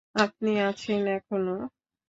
আপনি আছেন এখনো?